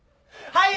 はい！